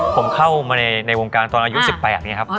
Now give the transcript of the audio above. ผมเข้ามาในวงการตอนอายุ๑๘เนี่ยครับ